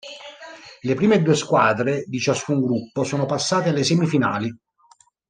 Le prime due squadre di ciascun gruppo sono passate alle semifinali.